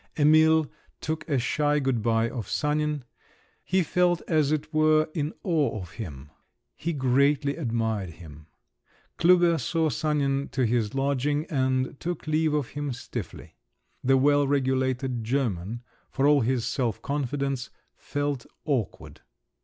Emil took a shy good bye of Sanin; he felt as it were in awe of him; he greatly admired him. Klüber saw Sanin to his lodging, and took leave of him stiffly. The well regulated German, for all his self confidence, felt awkward.